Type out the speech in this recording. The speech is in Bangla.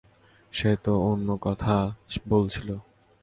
সে তো অন্য কথা বলছিল।